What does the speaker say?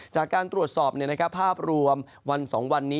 จากการตรวจสอบภาพรวมวัน๒วันนี้